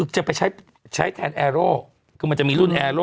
ใช้ใช้ทันแอโรก็มันจะมีรุ่นแอโรล